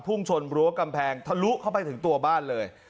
ชนรั้วกำแพงทะลุเข้าไปถึงตัวบ้านเลย